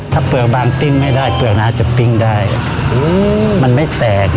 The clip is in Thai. ถ้าเปลือกบางปิ้งไม่ได้เปลือกน้าจะปิ้งได้มันไม่แตก